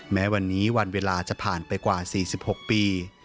แม้วันนี้วันเวลาจะผ่านไปกว่า๔๖ปี